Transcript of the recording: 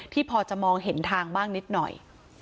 พอจะมองเห็นทางบ้างนิดหน่อย